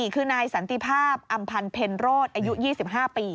คือนายสันติภาพอำพันธ์เพ็ญโรศอายุ๒๕ปี